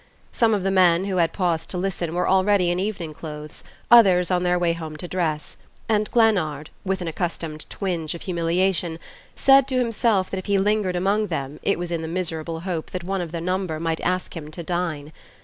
Some of the men who had paused to listen were already in evening clothes, others on their way home to dress; and Glennard, with an accustomed twinge of humiliation, said to himself that if he lingered among them it was in the miserable hope that one of the number might ask him to dine.